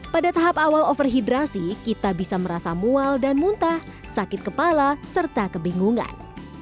pada tahap awal overhidrasi kita bisa merasa mual dan muntah sakit kepala serta kebingungan